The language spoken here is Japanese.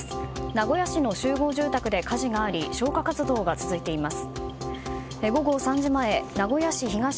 名古屋市の集合住宅で火事があり消火活動が続いています。